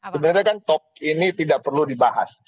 sebenarnya kan top ini tidak perlu dibahas